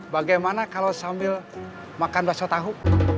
bagaimana kalau sambil makan bakso tahu